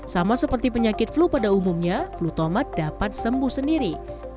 sama seperti penyakit flu pada umumnya flu tomat dapat sembuh sendiri